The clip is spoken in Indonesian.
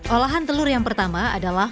olahan telur yang pertama adalah